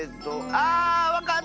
あわかった！